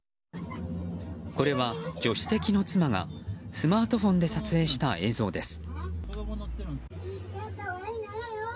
これは助手席の妻がスマートフォンで撮影した映像です。